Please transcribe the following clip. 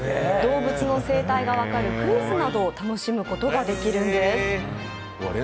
動物の生態が分かるクイズなどを楽しむことができるんです。